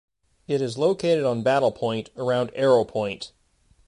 It is located on Battle Point, around Arrow Point.